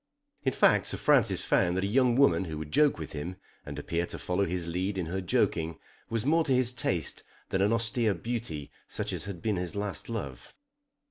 In fact Sir Francis found that a young woman who would joke with him, and appear to follow his lead in her joking, was more to his taste than an austere beauty such as had been his last love.